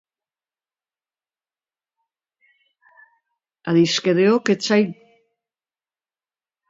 Adiskideok etsai.